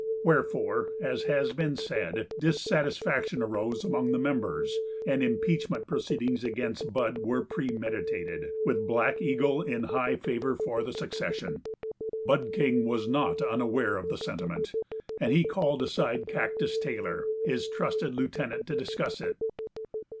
Wherefore, as has been said, dissatisfaction arose among the members, and impeachment proceedings against Bud were premeditated, with Black Eagle in high favour for the succession. Bud King was not unaware of the sentiment, and he called aside Cactus Taylor, his trusted lieutenant, to discuss it.